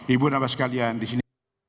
ibu dan bapak sekalian disini